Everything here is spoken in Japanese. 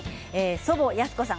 祖母泰子さん